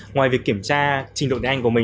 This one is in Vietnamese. ngoài việc kiểm tra trình độ tiếng anh của mình